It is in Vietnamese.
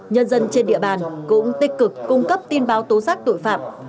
nhân dân trên địa bàn cũng tích cực cung cấp tin báo tố giác tội phạm